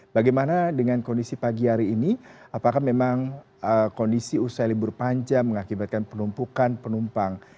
bagaimana dengan kondisi pagi hari ini apakah memang kondisi usai libur panjang mengakibatkan penumpukan penumpang